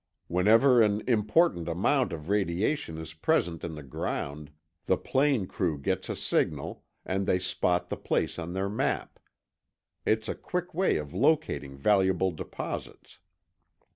Whenever an important amount of radiation is present in the ground, the plane crew gets a signal, and they spot the place on their map. It's a quick way of locating valuable deposits."